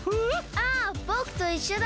あっぼくといっしょだ！